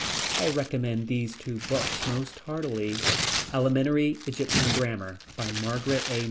I recommend these two books most heartily: Elementary Egyptian Grammar, by Margaret A.